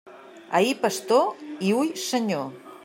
Ahir pastor i hui senyor.